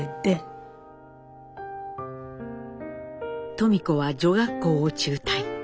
登美子は女学校を中退。